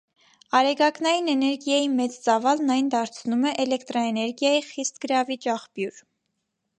Արեգակնային էներգիայի մեծ ծավալն այն դարձնում է էլեկտրաէներգիայի խիստ գրավիչ աղբյուր։